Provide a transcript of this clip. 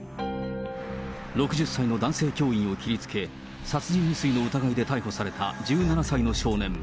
６０歳の男性教員を切りつけ、殺人未遂の疑いで逮捕された１７歳の少年。